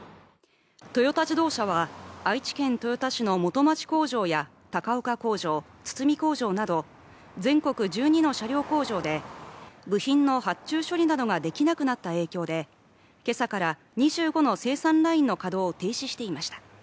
トヨタ自動車は愛知県豊田市の元町工場や高岡工場、堤工場など全国１２の車両工場で部品の発注処理などができなくなった影響で今朝から２５の生産ラインの稼働を停止していました。